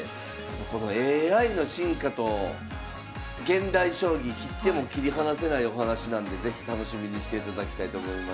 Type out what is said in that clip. このＡＩの進化と現代将棋切っても切り離せないお話なんで是非楽しみにしていただきたいと思います。